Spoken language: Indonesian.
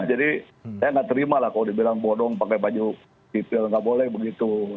jadi saya gak terima lah kalau dibilang bodong pakai baju pipil gak boleh begitu